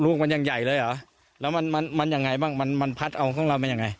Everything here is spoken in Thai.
อ๋อลูกมันยังใหญ่เลยหรอแล้วมันยังไงบ้างมันพัดออกของเรามันยังไง